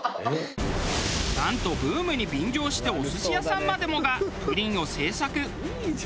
なんとブームに便乗してお寿司屋さんまでもがプリンを製作。